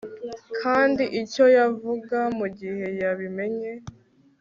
kandi icyo yavuga mugihe yabimenye